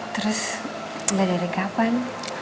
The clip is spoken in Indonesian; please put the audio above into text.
terus mbak dari kapan